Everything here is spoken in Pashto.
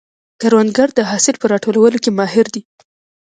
کروندګر د حاصل په راټولولو کې ماهر دی